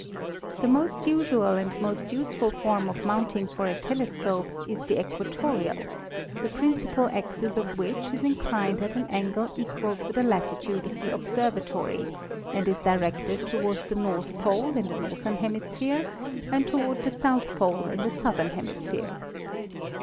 The most usual and most useful form of mounting for a telescope is the equatorial, the principal axis of which is inclined at an angle equal to the latitude of the observatory and is directed toward the North Pole in the Northern Hemisphere and toward the South Pole in the Southern Hemisphere.